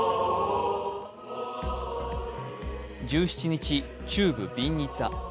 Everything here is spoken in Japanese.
１７日、中部ビンニツァ。